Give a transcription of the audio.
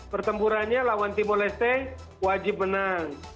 pertempurannya lawan tim olespe wajib menang